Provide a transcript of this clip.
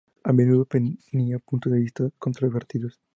A menudo tenía puntos de vista controvertidos.